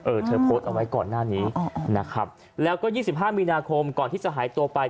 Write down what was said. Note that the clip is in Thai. เธอโพสต์เอาไว้ก่อนหน้านี้นะครับแล้วก็๒๕มีนาคมก่อนที่จะหายตัวไป